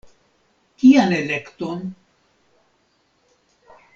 Kian elekton?